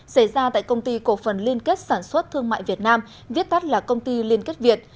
xảy ra tại công ty cổ phần liên kết sản xuất thương mại việt nam viết tắt là công ty liên kết việt